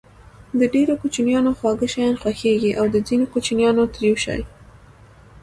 د ډېرو کوچنيانو خواږه شيان خوښېږي او د ځينو کوچنيانو تريؤ شی.